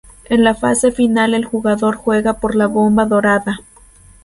En la fase final el jugador juega por la bomba dorada.